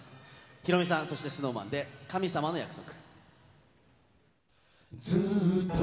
ヒロミさん、そしてＳｎｏｗＭａｎで、神様との約束。